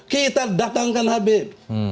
kita datangkan habib